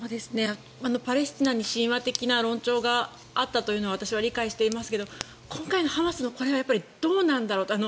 パレスチナに親和的な論調があったと私は理解していますが今回のハマスのこれはどうなんだろうと。